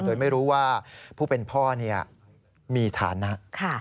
โดยไม่รู้ว่าผู้เป็นพ่อมีฐานะ